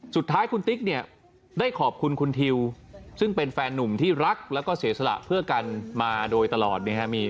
สุดท้ายคุณติ๊กเนี่ยได้ขอบคุณคุณทิวซึ่งเป็นแฟนนุ่มที่รักแล้วก็เสียสละเพื่อกันมาโดยตลอด